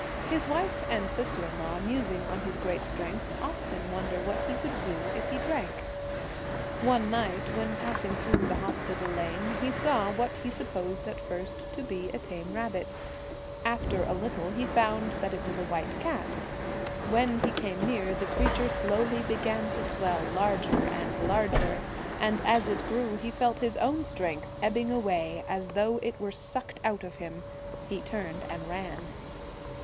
His wife and sister in law, musing on his great strength, 25 The often wonder what he would do if he Celtic Twilight, drank. One night when passing through the Hospital Lane, he saw what he sup posed at first to be a tame rabbit ; after a little he found that it was a white cat. When he came near, the creature slowly began to swell larger and larger, and as it grew he felt his own strength ebbing away, as though it were sucked out of him. He turned and ran.